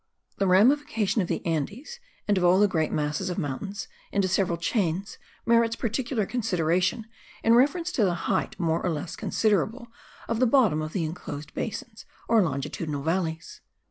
The ramification of the Andes and of all the great masses of mountains into several chains merits particular consideration in reference to the height more or less considerable of the bottom of the enclosed basins, or longitudinal valleys.